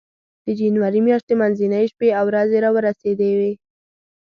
د جنوري میاشتې منځنۍ شپې او ورځې را ورسېدې وې.